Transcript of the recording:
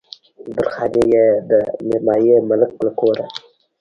درخانۍ يې د ميرمايي ملک له کوره